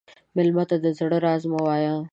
مېلمه ته د زړه راز مه وایه.